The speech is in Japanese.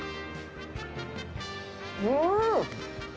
うん！